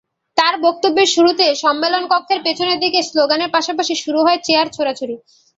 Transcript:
তাঁর বক্তব্যের শুরুতেই সম্মেলনকক্ষের পেছনের দিকে স্লোগানের পাশাপাশি শুরু হয় চেয়ার ছোড়াছুড়ি।